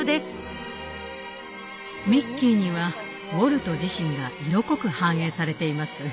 ミッキーにはウォルト自身が色濃く反映されています。